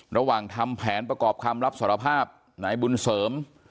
ระหว่างทำแผนประกอบคำรับสารภาพนายบุญเสริม